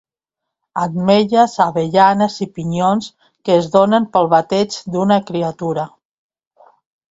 Ametlles, avellanes i pinyons que es donen pel bateig d'una criatura.